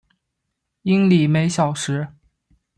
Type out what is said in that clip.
英里每小时。